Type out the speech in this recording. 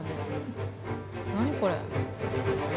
何これ？